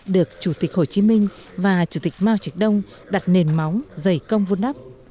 được chủ tịch hồ chí minh và chủ tịch mao trịch đông đặt nền móng dày công vô nắp